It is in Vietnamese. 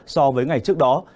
so với ngày trước đó